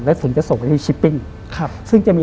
แล้วถึงจะส่งไปที่ชิปปิ้ง